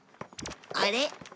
あれ？